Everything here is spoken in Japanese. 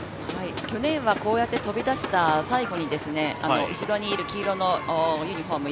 去年は飛び出した最後に後ろにいる黄色のユニフォーム